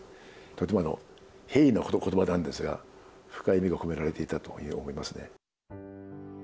とても平易なことばなんですが、深い意味が込められていたというふうに思いますね。